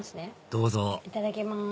どうぞいただきます。